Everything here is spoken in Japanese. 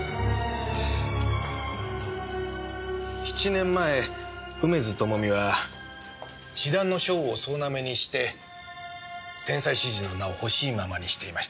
７年前梅津朋美は詩壇の賞を総なめにして「天才詩人」の名をほしいままにしていました。